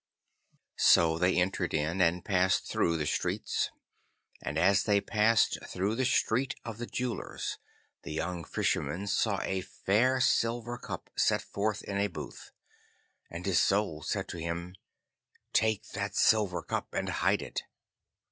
So they entered in and passed through the streets, and as they passed through the Street of the Jewellers the young Fisherman saw a fair silver cup set forth in a booth. And his Soul said to him, 'Take that silver cup and hide it.